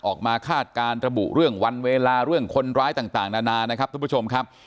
คาดการณ์ระบุเรื่องวันเวลาเรื่องคนร้ายต่างนานานะครับทุกผู้ชมครับ